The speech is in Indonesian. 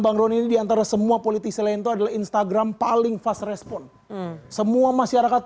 bang roni di antara semua politisi lain toh adalah instagram paling fast respon semua masyarakat